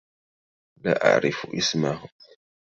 لا أعرف إسمه.